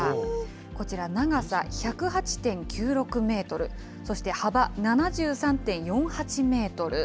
こちら、長さ１０８．９６メートル、そして幅７３．４８メートル。